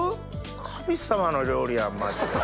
神様の料理やんマジで。